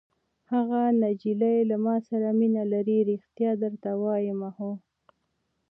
هغه نجلۍ له ما سره مینه لري! ریښتیا درته وایم. هو.